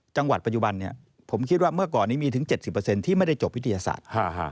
จังหวัดปัจจุบันผมคิดว่าเมื่อก่อนนี้มีถึง๗๐ที่ไม่ได้จบวิทยาศาสตร์